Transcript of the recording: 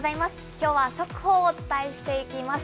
きょうは速報をお伝えしていきます。